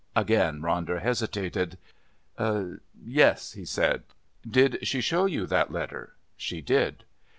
Again Ronder hesitated. "Yes," he said. "Did she show you that letter?" "She did."